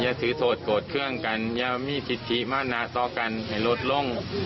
อย่าธิโสดโกนเครื่องกันอย่ามีทฤทธิบ้านมาตาต่อกันให้รวดลง